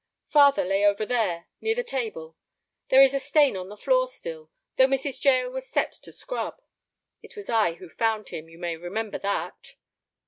"Father lay over there—near the table. There is a stain on the floor still—though Mrs. Jael was set to scrub. It was I who found him. You may remember that."